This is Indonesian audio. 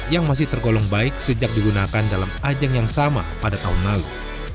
yang masih tergolong baik sejak digunakan dalam ajang yang sama pada tahun lalu